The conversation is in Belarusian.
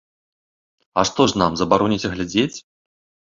А што ж нам забароніце глядзець?